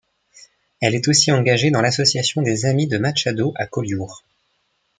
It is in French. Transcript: Elle est aussi engagée dans l’association des amis de Machado à Collioure.